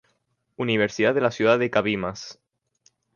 Universidad de la ciudad de Cabimas.